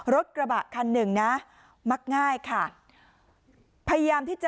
รถกระบะคันหนึ่งนะมักง่ายค่ะ